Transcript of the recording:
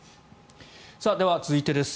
では、続いてです。